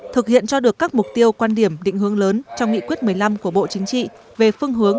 thực hiện cho được các mục tiêu quan điểm định hướng lớn trong nghị quyết một mươi năm của bộ chính trị về phương hướng